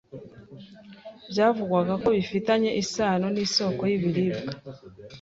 byavugwaga ko bifitanye isano n'isoko ry'ibiribwa